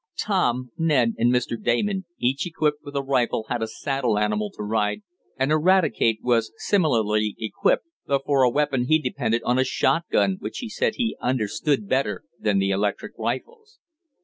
Tom, Ned, and Mr. Damon, each equipped with a rifle had a saddle animal to ride, and Eradicate was similarly equipped, though for a weapon he depended on a shotgun, which he said he understood better than the electric rifles.